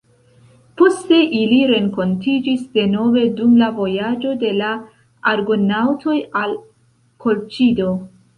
Poste ili renkontiĝis denove dum la vojaĝo de la argonaŭtoj al Kolĉido.